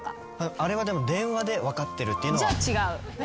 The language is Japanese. あれはでも電話で分かってるっていうのは。